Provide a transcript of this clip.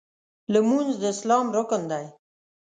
لمونځ د اسلام رکن دی.